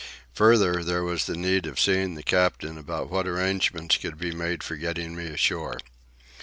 Further, there was the need of seeing the captain about what arrangements could be made for getting me ashore.